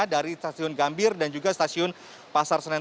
dari stasiun gambir dan juga stasiun pasar senen